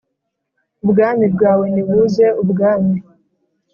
Ubwami bwawe nibuze Ubwami